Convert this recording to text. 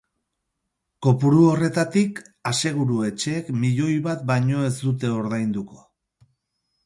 Kopuru horretatik, aseguru-etxeek milioi bat baino ez dute ordainduko.